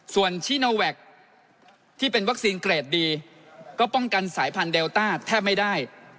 ส่วนชิโนแวคที่เป็นวัคซีนเกรดดีก็ป้องกันสายพันธุเดลต้าแทบไม่ได้